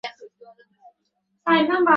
এও কি কখনো হয়!